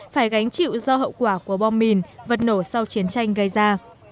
phải gánh chịu do hậu quả của bom mìn vật nổ sau chiến tranh gây ra